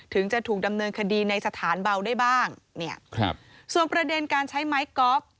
ถึงจะถูกดำเนินคดีในสถานเบาได้บ้างเนี่ยครับส่วนประเด็นการใช้ไม้กอล์ฟ